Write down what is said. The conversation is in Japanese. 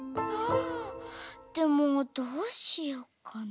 でもどうしようかな。